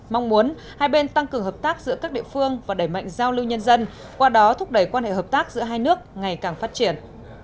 mong muốn hai bên tăng cường hợp tác giữa các địa phương và đẩy mạnh giao lưu nhân dân qua đó thúc đẩy quan hệ hợp tác giữa hai nước ngày càng phát triển